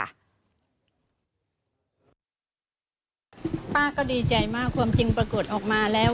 ป้าก็ดีใจมากความจริงปรากฏออกมาแล้ว